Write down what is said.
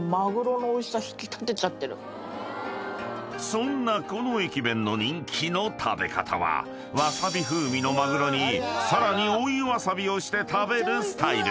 ［そんなこの駅弁の人気の食べ方はわさび風味のマグロにさらに追いわさびをして食べるスタイル］